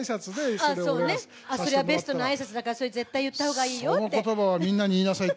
そうね、それはベストなあいさつだから、それ絶対言ったほうがいいよって。